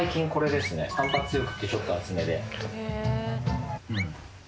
反発強くてちょっと厚めで。